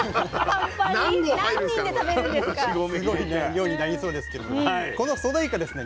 すごい量になりそうですけれどもねこのソデイカですね